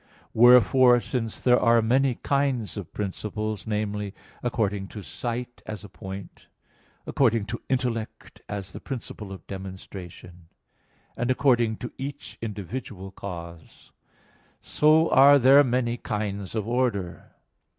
Wherefore since there are many kinds of principle namely, according to site, as a point; according to intellect, as the principle of demonstration; and according to each individual cause so are there many kinds of order.